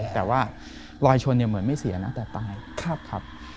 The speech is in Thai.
แต่ว่ารอยชนเนี่ยเหมือนไม่เสียนะแต่ตายครับ